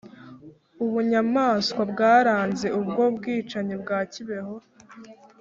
ubunyamaswa bwaranze ubwo bwicanyi bwa kibeho